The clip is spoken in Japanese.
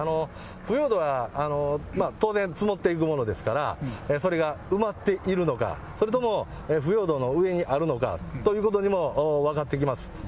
腐葉土は当然、積もっていくものですから、それが埋まっているのか、それとも腐葉土の上にあるのかというでも分かってきます。